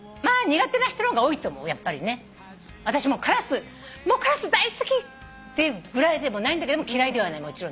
私も「カラス大好き！」ってぐらいでもないんだけど嫌いではないもちろんね。